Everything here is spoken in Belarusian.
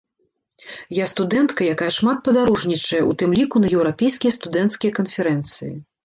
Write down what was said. Я студэнтка, якая шмат падарожнічае, ў тым ліку на еўрапейскія студэнцкія канферэнцыі.